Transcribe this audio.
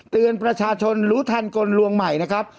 เตือนประชาชนรู้ทันกลลวงใหม่นะครับ